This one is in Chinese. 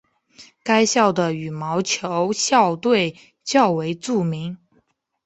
该校的羽毛球校队较为著名。